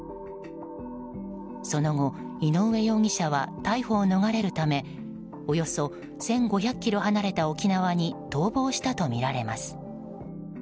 その後、井上容疑者は逮捕を逃れるためおよそ１５００ｋｍ離れた沖縄に逃亡したとみられます。